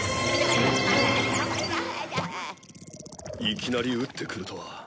いきなり撃ってくるとは。